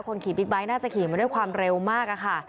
ขี่บิ๊กไบท์น่าจะขี่มาด้วยความเร็วมากอะค่ะ